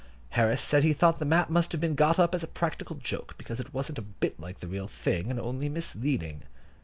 Harris said he thought that map must have been got up as a practical joke, because it wasn't a bit like the real thing, and only misleading.